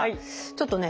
ちょっとね